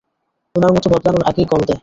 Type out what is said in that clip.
ওনার মত বদলানোর আগেই কল দে।